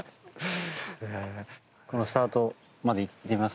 このスタートまで行ってみます？